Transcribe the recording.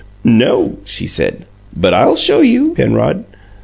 "No," she said. "But I'll show you, Penrod.